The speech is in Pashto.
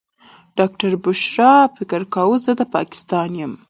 ډاکټره بشرا فکر کاوه زه د پاکستان یم.